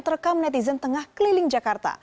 terekam netizen tengah keliling jakarta